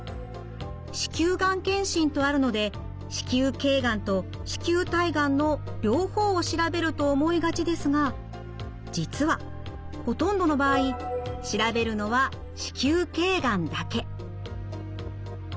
子宮がん検診とあるので子宮頸がんと子宮体がんの両方を調べると思いがちですが実はほとんどの場合調べるのは子宮頸がんだけ。